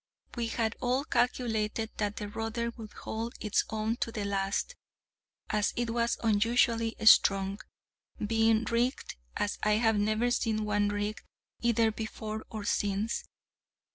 We had all calculated that the rudder would hold its own to the last, as it was unusually strong, being rigged as I have never seen one rigged either before or since.